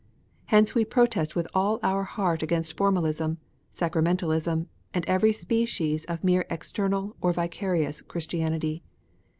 Hence we protest with all our heart against formalism, sacramentalism, and every species of mere external or vicarious Christianity.